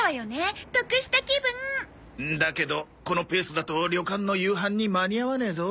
得した気分！だけどこのペースだと旅館の夕飯に間に合わねえぞ。